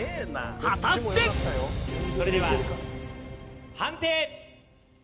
果たしてそれでは判定！